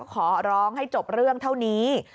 ขอร้องให้จบเรื่องเท่านี้